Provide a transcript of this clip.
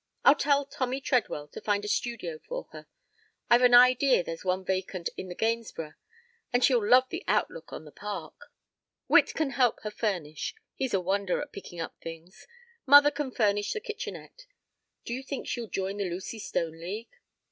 I'll tell Tommy Treadwell to find a studio for her. I've an idea there's one vacant in The Gainsborough, and she'd love the outlook on the Park. Witt can help her furnish; he's a wonder at picking up things. Mother can furnish the kitchenette. Do you think she'd join the Lucy Stone League?"